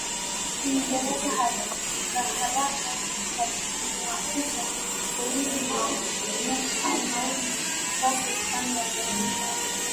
Uingereza harakaharaka ikamuapisha Seyyid Hamoud kuwa Sultan wa Zanzibar